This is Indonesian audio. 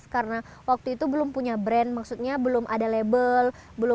karena waktu itu belum punya brand maksudnya belum ada label